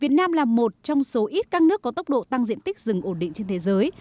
việt nam là một trong số ít các nước có tốc độ tăng diện tích rừng ổn định trên thế giới